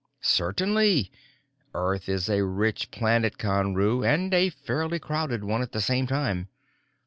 "Certainly. Earth is a rich planet, Conru, and a fairly crowded one at the same time.